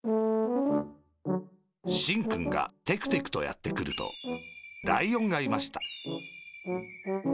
しんくんがテクテクとやってくるとライオンがいました